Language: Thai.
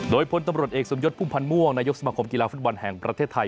โดยพลตำรวจเอกสมยศพุ่มพันธ์ม่วงนายกสมคมกีฬาฟุตบอลแห่งประเทศไทย